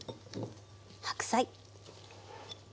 白菜。